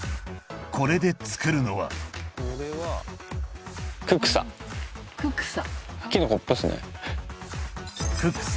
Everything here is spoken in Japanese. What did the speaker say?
これで作るのはククサ？